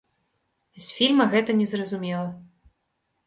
З фільма гэта не зразумела.